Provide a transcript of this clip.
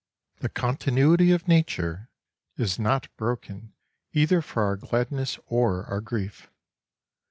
The continuity of nature is not broken either for our gladness or our grief.